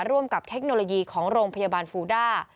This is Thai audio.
ร่วมกับเทคโนโลยีของโรงพยาบาลฟูด้า